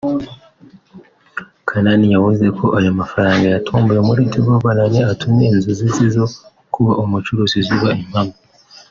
Kanani yavuze ko aya mafaranga yatomboye muri Tigo Bonane atumye inzozi ze zo kuba umucuruzi ziba impamo